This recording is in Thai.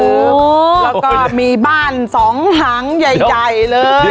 แล้วก็มีบ้าน๒หางใหญ่เลย